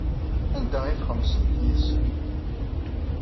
Anda ay txemmsemt yid-sen?